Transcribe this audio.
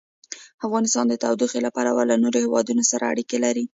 افغانستان د تودوخه له پلوه له نورو هېوادونو سره اړیکې لري.